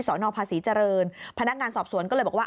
นภาษีเจริญพนักงานสอบสวนก็เลยบอกว่า